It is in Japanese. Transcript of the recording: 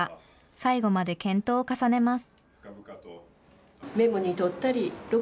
最後まで検討を重ねます。